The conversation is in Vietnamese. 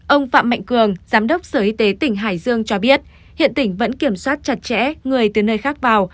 ông phạm mạnh cường giám đốc sở y tế tỉnh hải dương cho biết hiện tỉnh vẫn kiểm soát chặt chẽ người từ nơi khác vào